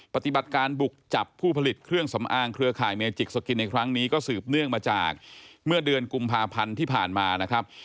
ปฏิบัติการบุกจับผู้ผลิตเครื่องสำอางเครือข่ายเมจิกสกินในครั้งนี้ก็สืบเนื่องมาจากเมื่อเดือนกุมภาพันธ์ที่ผ่านมานะครับ